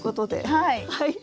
はい。